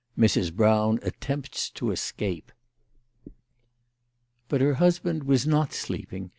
MRS. BROWN ATTEMPTS TO ESCAPE. BUT her husband was not sleeping.